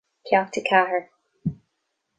Ceacht a Ceathair